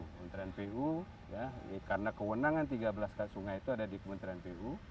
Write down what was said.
kementerian pu karena kewenangan tiga belas sungai itu ada di kementerian pu